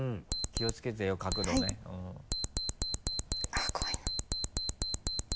あっ怖いな。